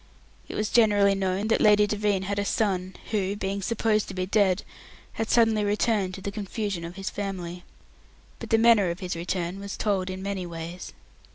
It was generally known that Lady Devine had a son, who, being supposed to be dead, had suddenly returned, to the confusion of his family. But the manner of his return was told in many ways.